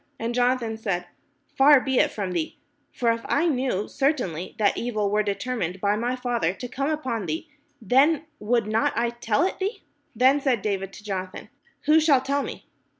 And Jonathan said: "Far be it from thee: for if I knew certainly that evil were determined by my father to come upon thee, then would not I tell it thee? " Then said David to Jonathan: "Who shall tell me?